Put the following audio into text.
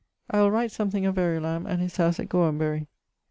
_> I will write something of Verulam, and his house at Gorhambery.